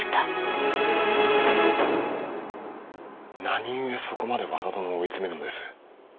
何故そこまで和田殿を追い詰めるのです。